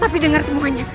tapi dengar semuanya